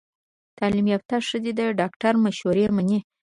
تعلیم یافته ښځې د ډاکټر مشورې مني۔